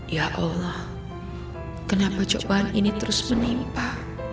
ya allah kenapa cobaan ini terus menimpa